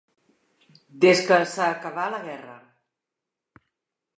Des que s'acabà la guerra.